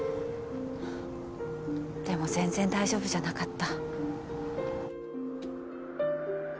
でも全然大丈夫じゃなかった。